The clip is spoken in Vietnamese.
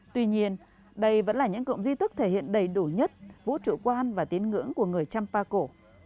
tuy nhiên đây vẫn là những cộng di tức thể hiện đầy đủ nhất vũ trụ quan và tiếng ngưỡng của người champa cổ